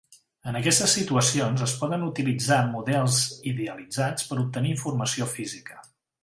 En aquestes situacions, es poden utilitzar models idealitzats per obtenir informació física.